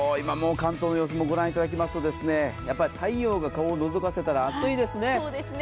関東の様子をごらんいただきますと、太陽が顔をのぞかせると暑いですね。